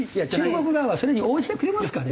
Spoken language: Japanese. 中国側はそれに応じてくれますかね？